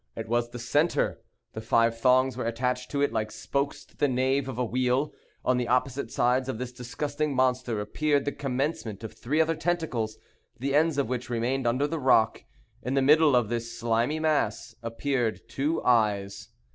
It was the centre; the five thongs were attached to it like spokes to the nave of a wheel. On the opposite side of this disgusting monster appeared the commencement of three other tentacles, the ends of which remained under the rock. In the middle of this slimy mass appeared two eyes.